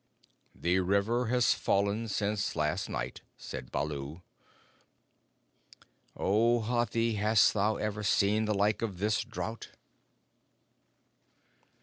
"The river has fallen since last night," said Baloo. "O Hathi, hast thou ever seen the like of this drought?"